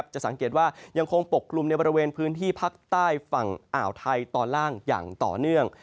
จะสังเกตว่ายังคงปกกลุ่มในบริเวณพื้นที่ภาคใต้ฝั่งอ่าวไทยตอนล่างอย่างต่อเนื่อง